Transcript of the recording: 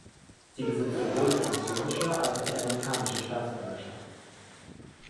Sie besitzt sowohl die französische als auch die amerikanische Staatsbürgerschaft.